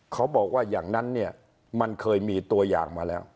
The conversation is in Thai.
เขาบอกว่าอย่างนั้นเนี่ยมันเคยมีตัวอย่างมาแล้ว